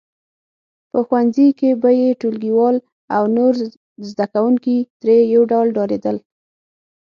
په ښوونځي کې به یې ټولګیوال او نور زده کوونکي ترې یو ډول ډارېدل